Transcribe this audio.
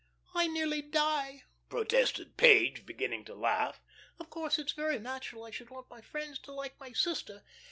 "I nearly die," protested Page, beginning to laugh. "Of course it's very natural I should want my friends to like my sister.